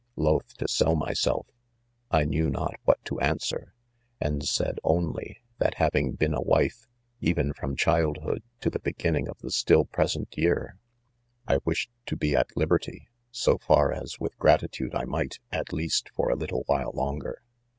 Loth to sell myself, I knew not what to answer ; and said,' only, that having been a wife even from childhood to the beg; in 7# ■ IDO'BTEN* ning ,of. the still present year., I wished to he at liberty, so far as wit^i gratitude I might, at least for a little while linger.